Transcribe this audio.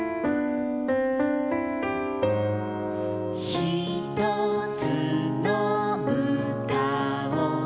「ひとつのうたを」